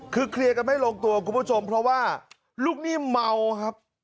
คือเคลียร์กันไม่ลงตัวคุณผู้ชมเพราะว่าลูกหนี้เมาครับ